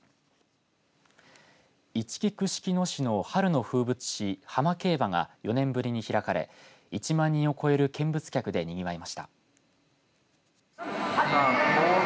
いちき串木野市の春の風物詩浜競馬が４年ぶりに開かれ１万人を超える見物客でにぎわいました。